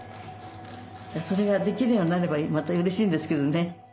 それができるようになればまたうれしいんですけどね。